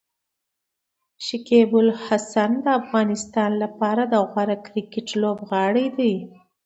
شکيب الحسن د افغانستان لپاره د غوره کرکټ لوبغاړی دی.